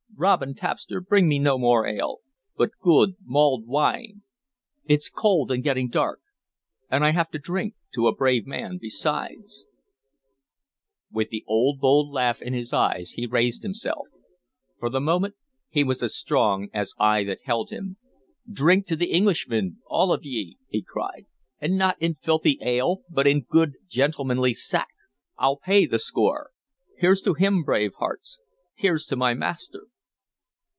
Robin tapster, bring me no more ale, but good mulled wine! It's cold and getting dark, and I have to drink to a brave man besides" With the old bold laugh in his eyes, he raised himself, for the moment as strong as I that held him. "Drink to that Englishman, all of ye!" he cried, "and not in filthy ale, but in good, gentlemanly sack! I'll pay the score. Here's to him, brave hearts! Here's to my master!"